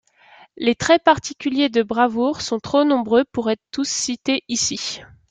Les traits particuliers de bravoure sont trop nombreux pour être tous cités ici.